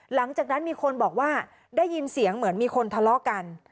หลังจากนั้นมีคนบอกว่าได้ยินเสียงเหมือนมีคนทะเลาะกัน